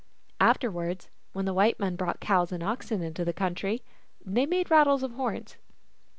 Afterwards, when the white men brought cows and oxen into the country, they made rattles of horns.